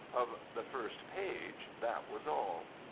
Of the first page that was all.